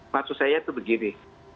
maksud saya itu begini